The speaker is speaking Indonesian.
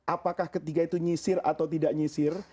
apakah ketiga itu nyisir atau tidak nyisir